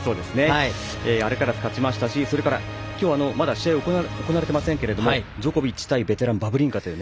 アルカラス勝ちましたしそれから、今日まだ試合が行われていませんけどジョコビッチ対ベテランバブリンカという。